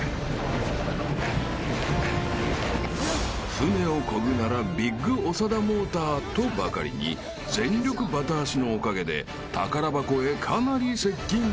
［船をこぐならビッグ長田モーターとばかりに全力バタ足のおかげで宝箱へかなり接近］